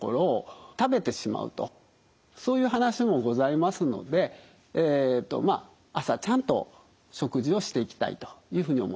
そういう話もございますのでえっとまあ朝ちゃんと食事をしていきたいというふうに思います。